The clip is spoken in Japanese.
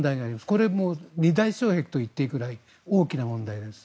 これは二大障壁と言っていいくらい大きな問題です。